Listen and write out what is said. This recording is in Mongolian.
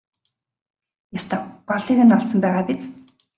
Ёстой голыг нь олсон байгаа биз?